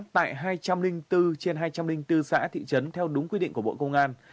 tại hai trăm linh bốn trên hai trăm linh bốn xã thị trấn theo đúng quy định của bộ công an